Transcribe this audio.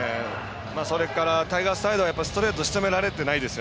それからタイガースサイドはストレートしとめられてないです。